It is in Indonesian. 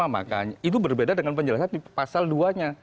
makanya itu berbeda dengan penjelasan di pasal dua nya